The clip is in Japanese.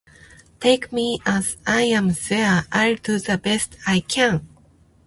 Take me as I am swear I'll do the best I can